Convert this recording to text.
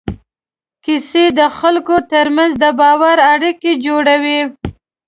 کیسې د خلکو تر منځ د باور اړیکه جوړوي.